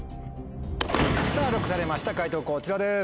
さぁＬＯＣＫされました解答こちらです。